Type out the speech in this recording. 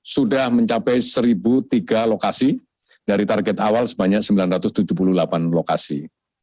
sudah mencapai satu tiga lokasi dari target awal sebanyak sembilan ratus tujuh puluh delapan lokasi